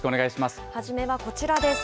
初めはこちらです。